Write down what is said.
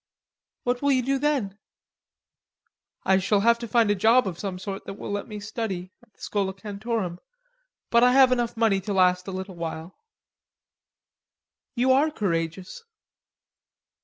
"What will you do then?" "I shall have to find a job of some sort that will let me study at the Schola Cantorum. But I have enough money to last a little while." "You are courageous."